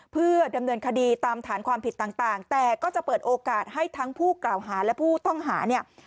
เพื่อดำเนินคดีตามฐานความผิดต่างแต่ก็จะเปิดโอกาสให้ทั้งผู้กล่าวหาและผู้ต้องหาเนี่ย